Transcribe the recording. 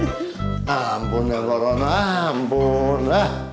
ya ampun ya mbak rono ampun